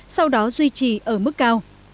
sau đó duy trì ở mức cao